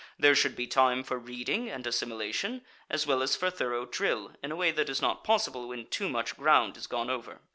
There should be time for reading and assimilation, as well as for thorough drill, in a way that is not possible when too much ground is gone over.